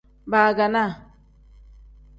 Baaganaa.